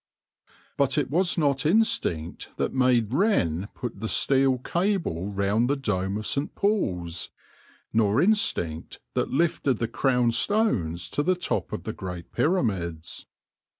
But it was not instinct that made Wren put the steel cable round the dome of St. Paul's, nor instinct that lifted the crown stones to the top of the Great Pyramids.